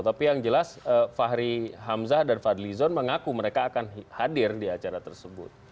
tapi yang jelas fahri hamzah dan fadli zon mengaku mereka akan hadir di acara tersebut